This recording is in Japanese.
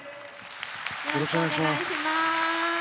よろしくお願いします。